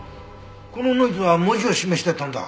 このノイズは文字を示してたんだ。